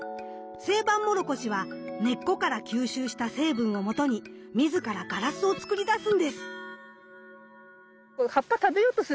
セイバンモロコシは根っこから吸収した成分をもとに自らガラスを作りだすんです。